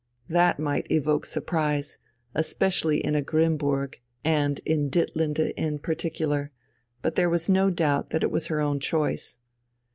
That might evoke surprise, especially in a Grimmburg and in Ditlinde in particular, but there was no doubt that it was her own choice.